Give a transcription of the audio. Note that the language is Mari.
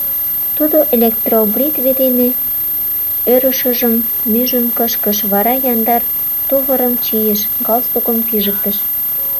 Тудо электробритве дене ӧрышыжым нӱжын кышкыш, вара яндар тувырым чийыш, галстукым пижыктыш.